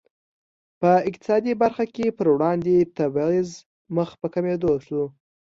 په اقتصادي برخه کې پر وړاندې تبعیض مخ په کمېدو شو.